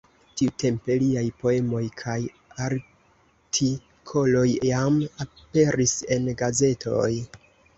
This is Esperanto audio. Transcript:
Tiutempe liaj poemoj kaj artikoloj jam aperis en gazetoj.